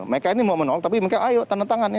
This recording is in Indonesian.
mereka ini mau menol tapi mereka ayo tangan tangan